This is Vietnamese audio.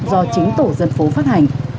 do chính tổ dân phố phát hành